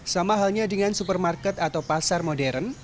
sama halnya dengan supermarket atau pasar modern